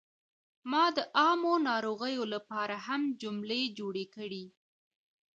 ما د عامو ناروغیو لپاره هم جملې جوړې کړې.